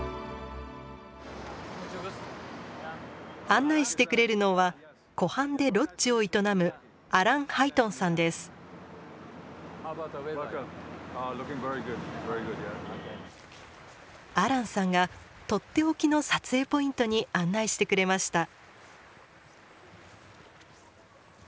案内してくれるのは湖畔でロッジを営むアランさんがとっておきの撮影ポイントに案内してくれました。